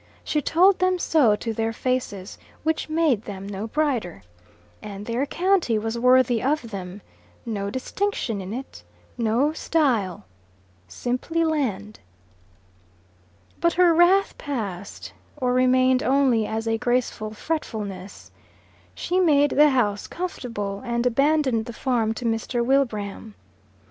She told them so to their faces, which made them no brighter. And their county was worthy of them: no distinction in it no style simply land. But her wrath passed, or remained only as a graceful fretfulness. She made the house comfortable, and abandoned the farm to Mr. Wilbraham.